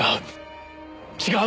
違う。